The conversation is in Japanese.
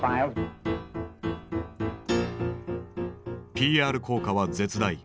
ＰＲ効果は絶大。